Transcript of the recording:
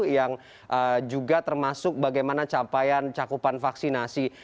yang juga termasuk bagaimana capaian cakupan vaksinasi